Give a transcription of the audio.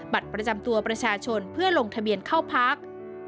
บัตรประจำตัวประชาชนเพื่อลงทะเบียนเข้าพัก